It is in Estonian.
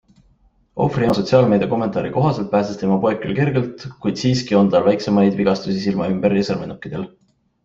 Ohvri ema sotsiaalmeedia kommentaari kohaselt pääses tema poeg küll kergelt, kuid siiski on tal väiksemaid vigastusi silma ümber ja sõrmenukkidel.